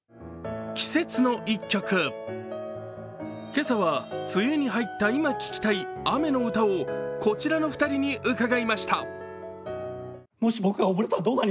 今朝は梅雨に入った今聴きたい雨の歌をこちらの２人に伺いました。